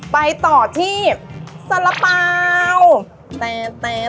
ไปต่อที่สละเป๋า